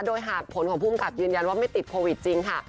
โดยหากผลของภูมิกับยืนยันว่าไม่ติดโควิดจริงค่ะ